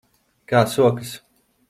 Kā sokas?